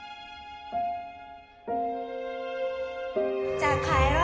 「じゃあ帰ろう」。